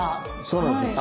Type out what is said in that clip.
そうなんですよ。